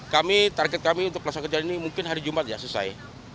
kami target kami untuk pelaksana kerjaan ini mungkin hari jumat ya selesai